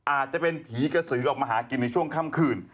อาจจะเป็นผีกระสือออกมาหากินในช่วงค่ำคืน